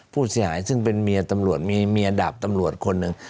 ผู้เสียหายซึ่งเป็นเมียตำรวจมีเมียดาบตำรวจคนหนึ่ง